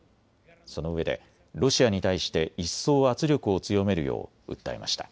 そのうえでロシアに対して一層圧力を強めるよう訴えました。